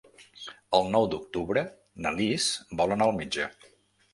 El nou d'octubre na Lis vol anar al metge.